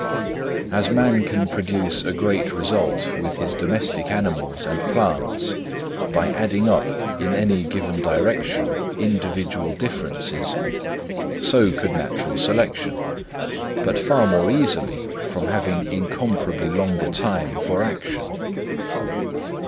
As man can produce a great result with his domestic animals and plants by adding up in any given direction individual differences, so could natural selection, but far more easily from having incomparably longer time for action.